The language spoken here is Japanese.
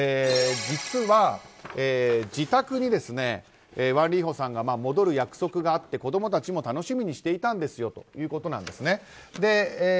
実は自宅にワン・リーホンさんが戻る約束があって子供たちも楽しみにしていたんですよということなんですね。